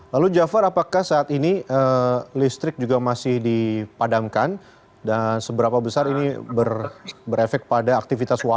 lalu jafar apakah saat ini listrik juga masih dipadamkan dan seberapa besar ini berefek pada aktivitas warga